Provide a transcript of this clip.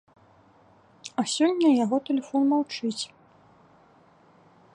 А сёння яго тэлефон маўчыць.